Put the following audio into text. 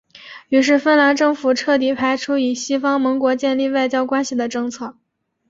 于是芬兰政府彻底排除与西方盟国建立外交关系的政策。